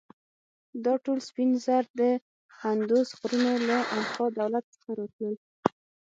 دا ټول سپین زر د اندوس غرونو له انکا دولت څخه راتلل.